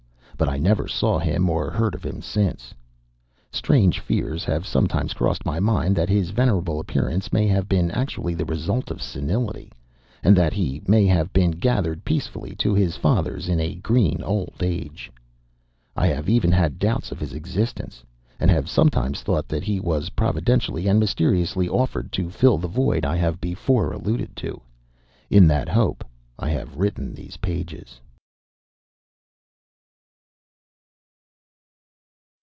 But I never saw him or heard of him since. Strange fears have sometimes crossed my mind that his venerable appearance may have been actually the result of senility, and that he may have been gathered peacefully to his fathers in a green old age. I have even had doubts of his existence, and have sometimes thought that he was providentially and mysteriously offered to fill the void I have before alluded to. In that hope I have written these pages.